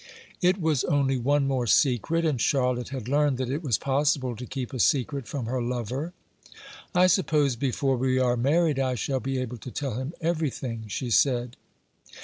It was only one more secret, and Charlotte had learned that it was possible to keep a secret from her lover. "I suppose before we are married I shall able to tell him everything?" she said.